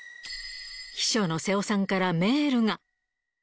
秘書の瀬尾さんからメールが。